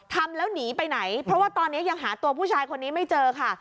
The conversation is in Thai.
ทำแล้วหนีไปไหนเพราะว่าตอนนี้ยังหาตัวผู้ชายคนนี้ไม่เจอค่ะ